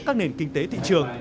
các nền kinh tế thị trường